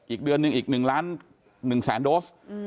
อีกเดือนหนึ่งอีก๑ล้าน๑แสนโดส